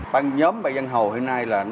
ban nhóm bạch văn hầu hôm nay là nó